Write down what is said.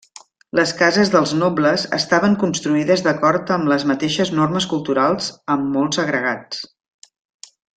Les cases dels nobles estaven construïdes d'acord amb les mateixes normes culturals amb molts agregats.